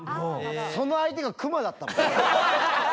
その相手がクマだったの。